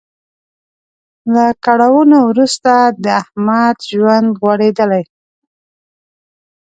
له کړاوونو وروسته د احمد ژوند غوړیدلی.